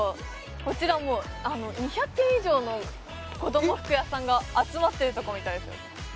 こちらもう２００軒以上の子ども服屋さんが集まってるとこみたいですよ